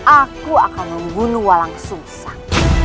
aku akan membunuh walang susah